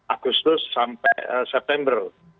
agustus sampai september